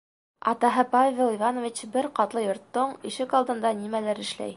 Атаһы Павел Иванович бер ҡатлы йорттоң ишек алдында нимәлер эшләй.